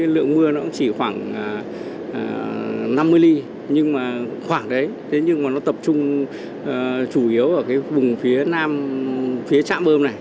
lượng mưa chỉ khoảng năm mươi ly nhưng mà nó tập trung chủ yếu ở vùng phía nam phía trạm bơm này